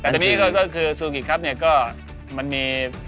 แต่ตอนนี้ก็คือซูกิครับเนี่ยก็มันมี